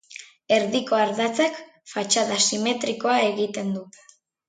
Erdiko ardatzak fatxada simetrikoa egiten du.